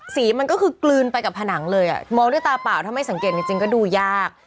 สีมันก็คือกลืนไปกับผนังเลยอ่ะมองด้วยตาเปล่าถ้าไม่สังเกตจริงก็ดูยาก